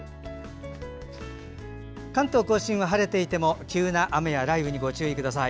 関東・甲信は晴れていても急な雨や雷雨にご注意ください。